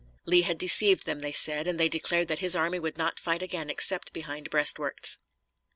Lee had deceived them, they said, and they declared that his army would not fight again except behind breastworks.